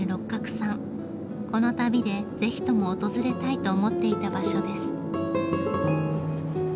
この旅でぜひとも訪れたいと思っていた場所です。